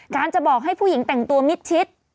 การจะบอกให้ผู้หญิงแต่งตัวมิดชิด